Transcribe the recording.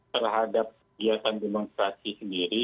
terhadap biasa demonstrasi sendiri